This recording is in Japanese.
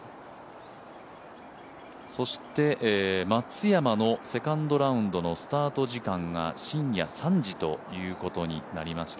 そして松山のセカンドラウンドのスタート時間が深夜３時ということになりました。